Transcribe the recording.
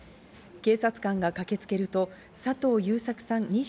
警察官が駆けつけると、佐藤優作さん